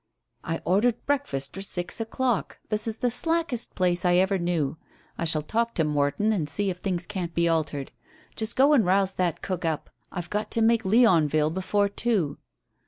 "I ordered breakfast for six o'clock. This is the slackest place I ever knew. I shall talk to Morton and see if things can't be altered. Just go and rouse that cook up. I've got to make Leonville before two."